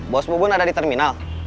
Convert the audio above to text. bos mubun ada di terminal